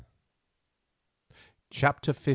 CHAPTER XV.